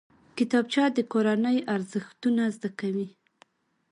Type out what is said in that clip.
کتابچه د کورنۍ ارزښتونه زده کوي